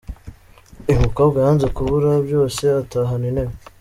Uyu mukobwa yanze kubura byose atahana intebe.